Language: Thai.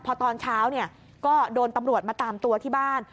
พอตอนเช้าเนี่ยก็โดนตำรวจมาตามตัวที่บ้าน